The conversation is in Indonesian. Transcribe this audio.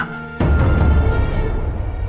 mental andi yang kena